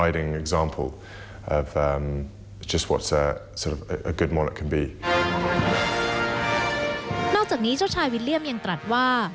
แล้วจากนี้เจ้าชายวิลเลียมบีซี้เรียมแห่งตรัสว่า